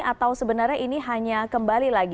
atau sebenarnya ini hanya kembali lagi